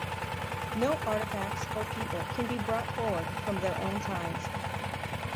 No artifacts or people can be brought forward from their own times.